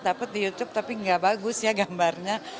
dapat di youtube tapi nggak bagus ya gambarnya